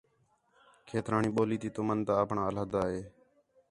کھیترانی ٻولی تی تُمن دا اَپݨاں علیحدہ ہے